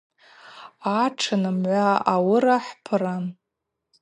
Атшын мгӏва ауыра хӏпыран.